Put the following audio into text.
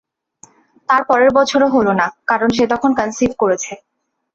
তার পরের বছরও হল না, কারণ সে তখন কনসিভ করেছে।